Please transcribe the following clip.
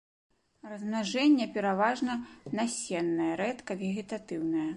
Размнажэнне пераважна насеннае, рэдка вегетатыўнае.